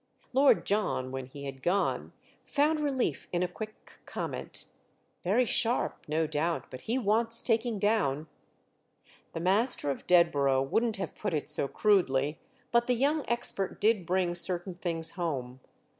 Lord John, when he had gone, found relief in a quick comment. "Very sharp, no doubt—but he wants taking down." The master of Dedborough wouldn't have put it so crudely, but the young expert did bring certain things home.